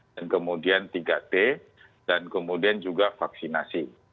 dan kemudian tiga t dan kemudian juga vaksinasi